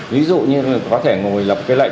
ví dụ như có thể ngồi lập cái lệnh